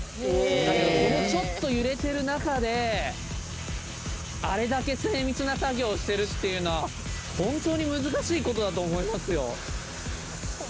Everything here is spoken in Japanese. だけど、このちょっと揺れている中であれだけ精密な作業をしているっていうのは本当に難しいことだと思いますよ。